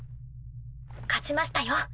勝ちましたよ